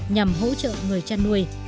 nhằm hỗ trợ người chăn nuôi